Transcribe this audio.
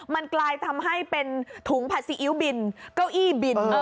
มันกลายทำให้เป็นถุงผัดซีอิ๊วบินเก้าอี้บิน